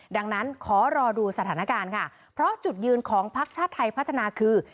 ดังนั้นขอรอดูสถานการณ์ค่ะเพราะจุดยืนของพักชาติไทยพัฒนาคือ